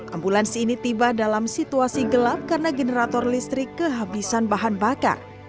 ambulansi ini tiba dalam situasi gelap karena generator listrik kehabisan bahan bakar